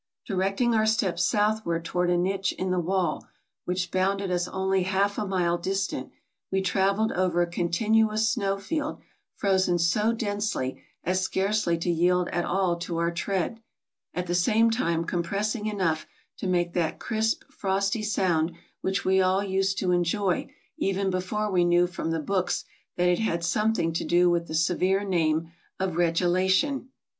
Directing our steps southward toward a niche in the wall which bounded us only half a mile distant, we traveled over a continuous snow field frozen so densely as scarcely to yield at all to our tread, at the same time compressing enough to make that crisp frosty sound which we all used to enjoy even before we knew from the books that it had some thing to do with the severe name of regelation.